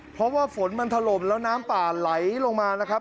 เพราะว่าฝนมันถล่มแล้วน้ำป่าไหลลงมานะครับ